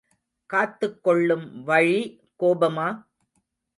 காத்துக் கொள்ளும் வழி கோபமா?